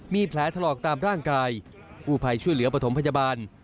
มีแผลถลอกตามร่างกายกู้ภัยช่วยเหลือปฐมพยาบาล